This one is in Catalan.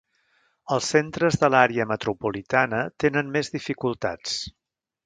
Els centres de l'àrea metropolitana tenen més dificultats.